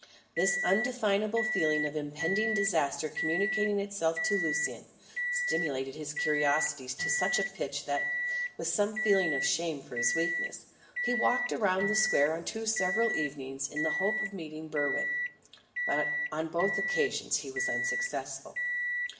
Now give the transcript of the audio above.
This undefinable feeling of impending disaster communicating itself to Lucian, stimulated his curiosity to such a pitch that, with some feeling of shame for his weakness, he walked round the square on two several evenings in the hope of meeting Berwin. But on both occasions he was unsuccessful.